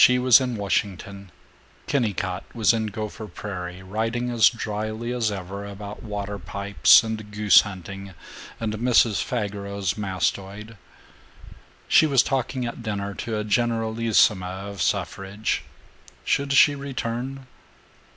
VIII She was in Washington; Kennicott was in Gopher Prairie, writing as dryly as ever about water pipes and goose hunting and Mrs. Fageros's mastoid. She was talking at dinner to a generalissima of suffrage. Should she return?